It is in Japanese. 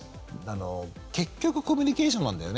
結局コミュニケーションなんだよね。